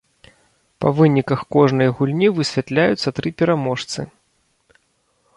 Па выніках кожнай гульні высвятляюцца тры пераможцы.